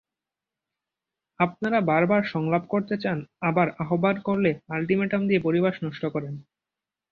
আপনারা বারবার সংলাপ চান আবার আহ্বান করলে আলটিমেটাম দিয়ে পরিবেশ নষ্ট করেন।